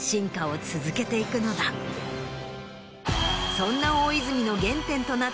そんな。